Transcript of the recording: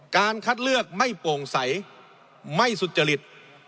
การคัดเลือกไม่โปร่งใสไม่สุจริต